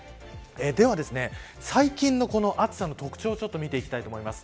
では最近の暑さの特徴を見ていきたいと思います。